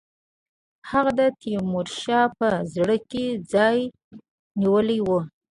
هغه د تیمورشاه په زړه کې ځای نیولی وو.